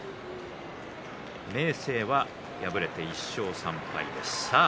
明生は敗れて１勝３敗です。